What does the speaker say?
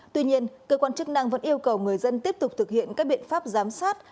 tuy nhiên cơ quan chức năng vẫn yêu cầu người dân tiếp tục thực hiện các biện pháp giám sát